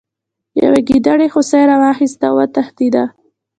یوې ګیدړې هوسۍ راواخیسته او وتښتیده.